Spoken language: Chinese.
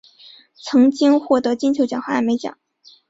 曾经获得金球奖和艾美奖。